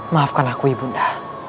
maafkan aku ibu nda